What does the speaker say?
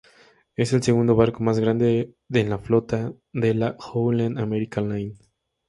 Es el segundo barco más grande en la flota de la Holland America Line.